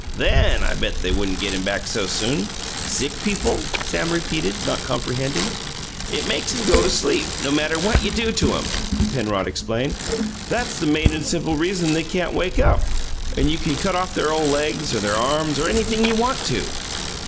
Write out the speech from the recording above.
THEN, I bet they wouldn't get him back so soon!" "Sick people?" Sam repeated, not comprehending. "It makes 'em go to sleep, no matter what you do to 'em," Penrod explained. "That's the main and simple reason they can't wake up, and you can cut off their ole legs or their arms, or anything you want to."